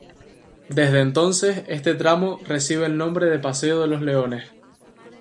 Desde entonces, este tramo recibe el nombre de Paseo de los Leones.